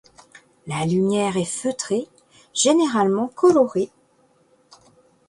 La lumière est feutrée, généralement colorée.